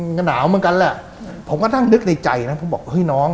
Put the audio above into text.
ก็หนาวเหมือนกันแหละผมก็นั่งนึกในใจนะผมบอกเฮ้ยน้อง